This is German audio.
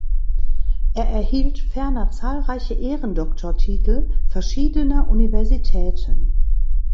Er erhielt ferner zahlreiche Ehrendoktortitel verschiedener Universitäten.